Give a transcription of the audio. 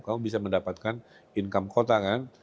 kamu bisa mendapatkan income kota kan